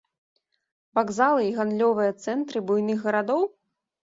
Вакзалы і гандлёвыя цэнтры буйных гарадоў?